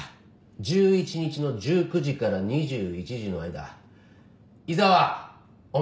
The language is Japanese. １１日の１９時から２１時の間井沢お前